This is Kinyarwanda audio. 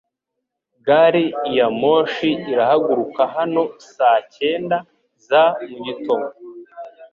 Gari ya moshi irahaguruka hano saa cyenda za mugitondo